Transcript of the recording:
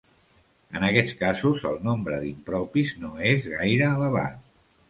En aquests casos, el nombre d'impropis no és gaire elevat.